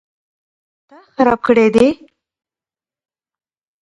_تا خراب کړی دی؟